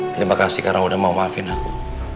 terima kasih karena udah mau maafin aku